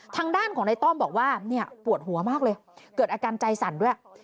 ทางด้านของในต้อมบอกว่าเนี่ยปวดหัวมากเลยเกิดอาการใจสั่นด้วย